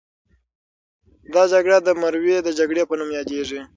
دا جګړه د مروې د جګړې په نوم یادیږي.